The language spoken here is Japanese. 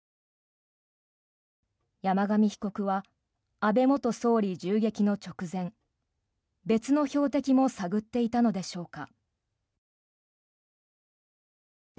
山上被告は安倍元総理銃撃の直前別の標的も探っていたのでしょうか。